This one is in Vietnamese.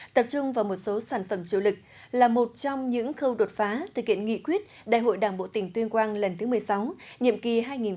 tập trung vào một số sản phẩm chủ lực là một trong những khâu đột phá thực hiện nghị quyết đại hội đảng bộ tỉnh tuyên quang lần thứ một mươi sáu nhiệm kỳ hai nghìn hai mươi hai nghìn hai mươi năm